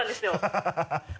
ハハハ